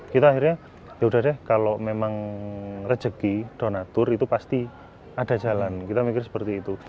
kita akhirnya yaudah deh kalau memang rezeki donatur itu pasti ada jalan kita mikir seperti itu